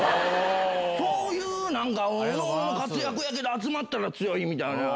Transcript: そういうなんか、活躍だけど、集まったら強いみたいな。